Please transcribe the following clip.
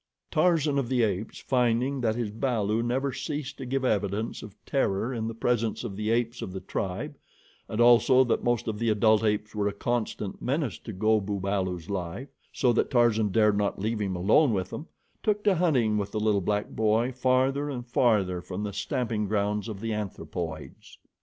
Tarzan of the Apes, finding that his balu never ceased to give evidence of terror in the presence of the apes of the tribe, and also that most of the adult apes were a constant menace to Go bu balu's life, so that Tarzan dared not leave him alone with them, took to hunting with the little black boy farther and farther from the stamping grounds of the anthropoids.